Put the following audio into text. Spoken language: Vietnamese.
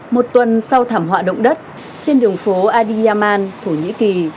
một tuần sau thảm họa động đất trên đường phố adiyaman thổ nhĩ kỳ